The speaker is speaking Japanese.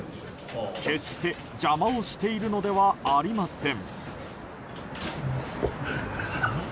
決して邪魔をしているのではありません。